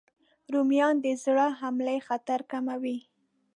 رومیان د زړه حملې خطر کموي